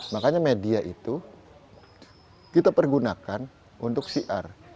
makanya media itu kita pergunakan untuk siar